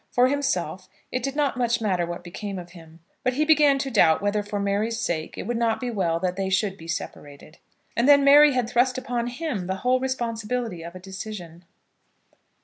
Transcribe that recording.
For himself it did not much matter what became of him; but he began to doubt whether for Mary's sake it would not be well that they should be separated. And then Mary had thrust upon him the whole responsibility of a decision!